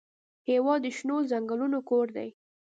هېواد د شنو ځنګلونو کور دی.